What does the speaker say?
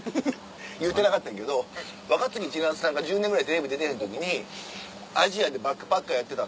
言うてなかったんやけど若槻千夏さんが１０年ぐらいテレビ出てへん時にアジアでバックパッカーやってた。